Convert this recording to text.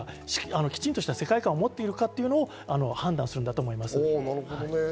きちんとした世界感を持っているかを判断すると思います。